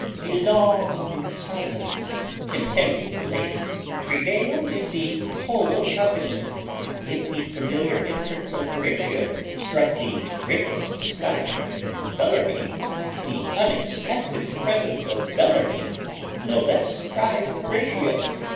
A long silence, continued the lady, prevailed in the whole company. If the familiar entrance of Horatio struck the greatest astonishment into Bellarmine, the unexpected presence of Bellarmine no less surprized Horatio.